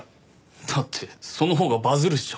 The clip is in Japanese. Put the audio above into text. だってそのほうがバズるっしょ。